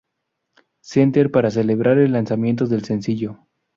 Center para celebrar el lanzamiento del sencillo.